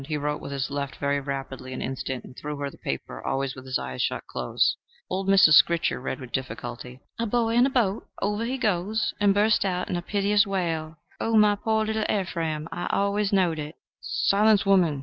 He wrote with his left very rapidly an instant, and threw her the paper, always with his eyes shut close. Old Mrs. Scritcher read with difficulty, "A boy in a boat over he goes;" and burst out in a piteous wail, "Oh, my poor little Ephraim! I always knowed it." "Silence, woman!"